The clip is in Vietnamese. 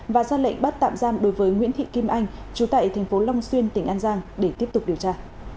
và ra lệnh bắt tạm giam đối với nguyễn thị kim anh trú tại tp long xuyên tỉnh an giang để tiếp tục điều tra